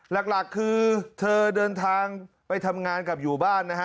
หลักคือเธอเดินทางไปทำงานกับอยู่บ้านนะฮะ